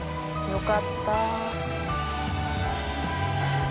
よかったぁ。